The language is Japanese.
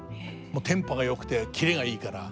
テンポがよくてキレがいいから。